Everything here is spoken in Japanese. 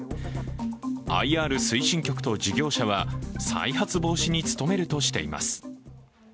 ＩＲ推進局と事業者は再発防止に努めるとしています。